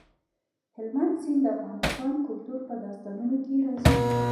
هلمند سیند د افغان کلتور په داستانونو کې راځي.